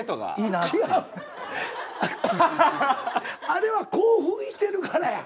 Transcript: あれは興奮してるからや。